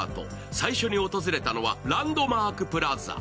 最初に訪れたのはランドマークプラザ。